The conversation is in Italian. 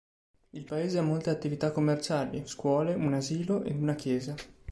Il paese ha molte attività commerciali, scuole, un asilo ed una chiesa.